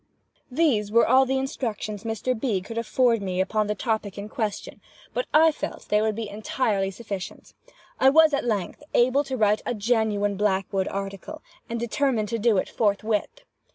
These were all the instructions Mr. B. could afford me upon the topic in question, but I felt they would be entirely sufficient. I was, at length, able to write a genuine Blackwood article, and determined to do it forthwith.